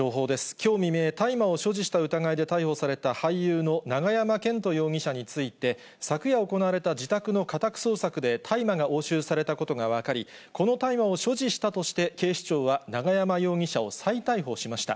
きょう未明、大麻を所持した疑いで逮捕された俳優の永山絢斗容疑者について、昨夜行われた自宅の家宅捜索で大麻が押収されたことが分かり、この大麻を所持したとして、警視庁は永山容疑者を再逮捕しました。